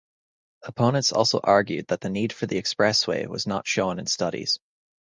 Opponents also argued that the need for the expressway was not shown in studies.